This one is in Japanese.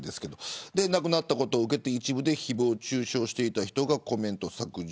亡くなったことを受けて一部で誹謗中傷していた人がコメント削除